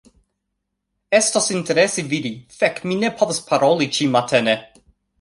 Estos interese vidi... fek' mi ne povas paroli ĉi-matene